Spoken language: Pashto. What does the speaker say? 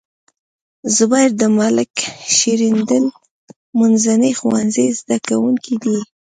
زبير د ملک شیریندل منځني ښوونځي زده کوونکی دی.